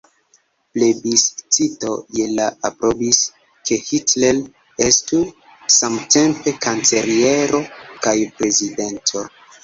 Plebiscito je la aprobis, ke Hitler estu samtempe kanceliero kaj prezidento.